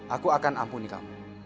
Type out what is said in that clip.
aku akan ampuni kamu